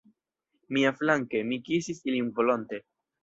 Miaflanke, mi kisis ilin volonte.